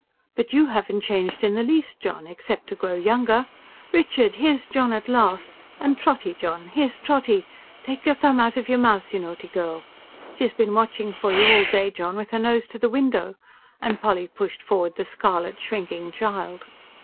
"But you haven't changed in the least, John. Except to grow younger. Richard, here's John at last! and Trotty, John ... here's Trotty! Take your thumb out of your mouth, naughty girl! She's been watching for you all day, John, with her nose to the window." And Polly pushed forward the scarlet, shrinking child.